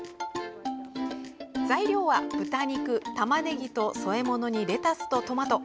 材料は豚肉、たまねぎと添え物にレタスとトマト。